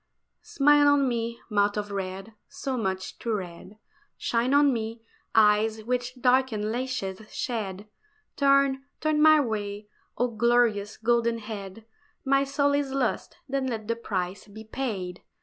SMILE on me, mouth of red so much too red, Shine on me, eyes which darkened lashes shade, Turn, turn my way, oh glorious golden head, My soul is lost, then let the price be paid!